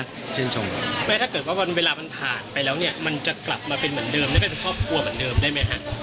ถ้าเกิดว่าเวลามันผ่านไปแล้วเนี่ยมันจะกลับมาเป็นเหมือนเดิมได้ไหมครับ